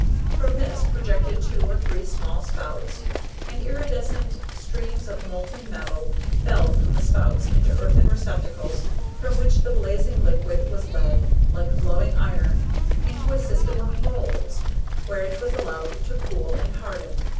From this projected two or three small spouts, and iridescent streams of molten metal fell from the spouts into earthen receptacles from which the blazing liquid was led, like flowing iron, into a system of molds, where it was allowed to cool and harden.